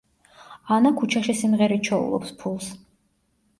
ანა ქუჩაში სიმღერით შოულობს ფულს.